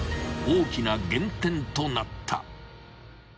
［大きな減点となった］